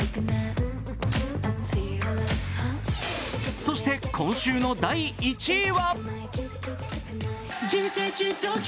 そして、今週の第１位は？